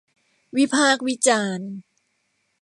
วิพากษ์วิจารณ์